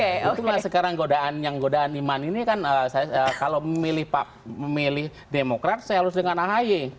itulah sekarang yang godaan iman ini kan kalau memilih demokrat saya harus dengan ahy